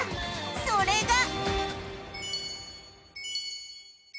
それが